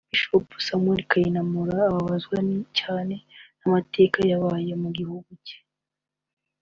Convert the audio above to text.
Bishop Samuel Kayinamura ababazwa cyane n’amateka yabaye mu gihugu cyacu